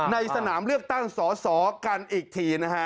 ในสนามเลือกตั้งสอสอกันอีกทีนะฮะ